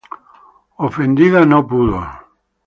Ofendida, no pudo